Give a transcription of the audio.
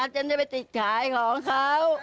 จะลึ่บไปติดขายของเขา